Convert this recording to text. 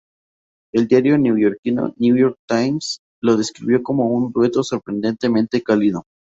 El diario neoyorquino "New York Times" lo describió como un "dueto sorprendentemente cálido".